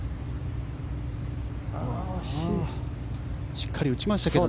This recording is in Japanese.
しっかり打ちましたけど。